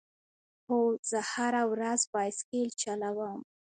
هو، زه هره ورځ بایسکل چلوم